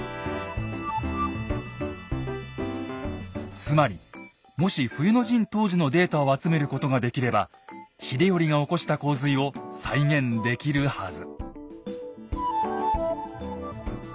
つまりもし冬の陣当時のデータを集めることができれば秀頼が起こした洪水を再現できるはず。